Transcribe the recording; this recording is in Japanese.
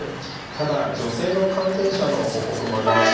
ただ女性の感染者の報告もあります